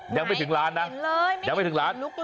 ยังไม่ถึงร้านนะยังไม่ถึงร้าน